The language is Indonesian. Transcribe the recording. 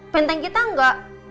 benteng kita enggak